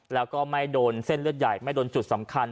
แล้วก็ไม่โดนเส้นเลือดใหญ่ไม่โดนจุดสำคัญ